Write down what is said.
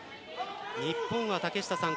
日本は、竹下さん